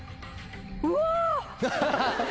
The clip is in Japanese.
うわ！